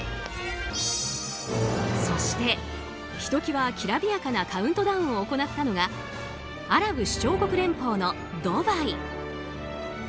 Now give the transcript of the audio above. そして、ひと際きらびやかなカウントダウンを行ったのがアラブ首長国連邦のドバイ。